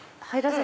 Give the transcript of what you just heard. はい。